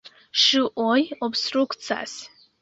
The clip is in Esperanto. Ŝuoj obstrukcas.